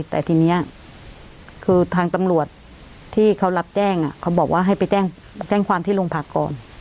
แต่ทีนี้คือทางตำรวจที่เขารับแจ้งเขาบอกว่าให้ไปแจ้งความที่โรงพักก่อน